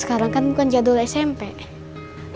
sekarang kan bukan jadwal body dispersion